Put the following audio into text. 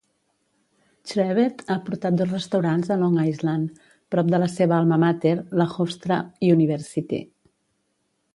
Chrebet ha portat dos restaurants a Long Island prop de la seva alma mater, la Hofstra University.